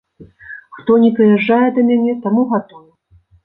Хто ні прыязджае да мяне, таму гатую.